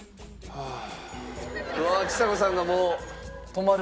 はあ！